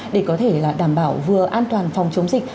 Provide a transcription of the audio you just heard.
để có thể là đảm bảo vừa an toàn phòng chống dịch